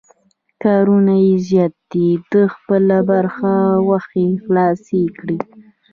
کارونه یې زیات دي، ده خپله برخه غوښې خلاصې کړې.